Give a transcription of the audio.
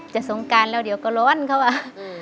จะทรงการแล้วเดี๋ยวก็ร้อนเข้าเลย